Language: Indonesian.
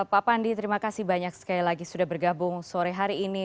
pak pandi terima kasih banyak sekali lagi sudah bergabung sore hari ini